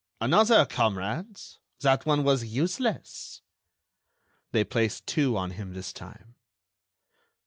"Another, comrades, that one was useless." They placed two on him this time.